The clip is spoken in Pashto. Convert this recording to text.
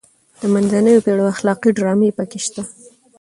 د منځنیو پیړیو اخلاقي ډرامې پکې شته.